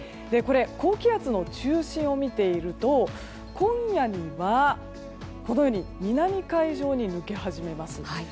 これ、高気圧の中心を見ていると今夜には南海上に抜け始めます。